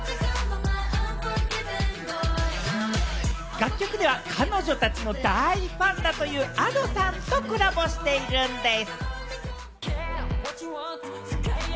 楽曲では、彼女たちの大ファンだというＡｄｏさんとコラボしているんでぃす！